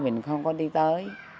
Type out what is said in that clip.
mình không có đi tới